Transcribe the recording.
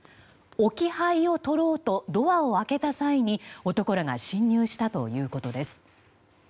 置き配を取ろうとドアを開けた際に男らが侵入したということです。